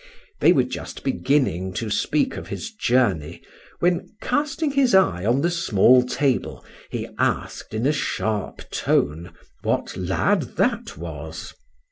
They were just beginning to speak of his journey, when casting his eye on the small table he asked in a sharp tone, what lad that was?